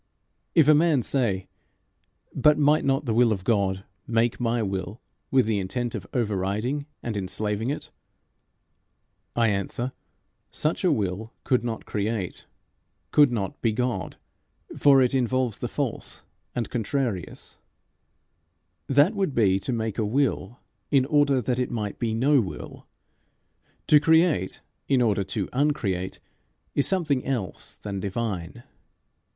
If a man say, "But might not the will of God make my will with the intent of over riding and enslaving it?" I answer, such a Will could not create, could not be God, for it involves the false and contrarious. That would be to make a will in order that it might be no will. To create in order to uncreate is something else than divine.